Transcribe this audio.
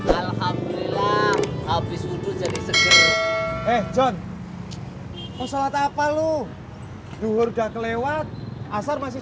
hai tuhan alhamdulillah habis sedul saveang eh john di masalah satu lu dulu udah kelewat asal masih